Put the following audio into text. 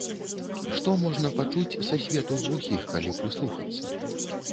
Што можна пачуць са свету глухіх, калі прыслухацца?